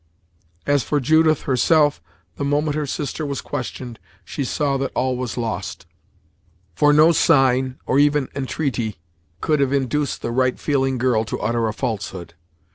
As for Judith, herself, the moment her sister was questioned, she saw that all was lost; for no sign, or even intreaty could have induced the right feeling girl to utter a falsehood.